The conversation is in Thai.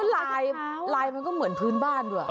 ลายลายมันก็เหมือนพื้นบ้านด้วย